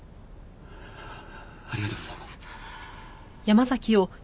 ありがとうございます。